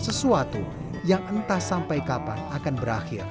sesuatu yang entah sampai kapan akan berakhir